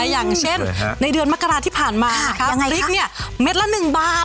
อย่างเช่นในเดือนมกราที่ผ่านมาพริกเนี่ยเม็ดละ๑บาท